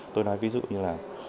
tôi nói ví dụ như là